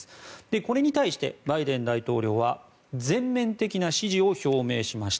これに対して、バイデン大統領は全面的な支持を表明しました。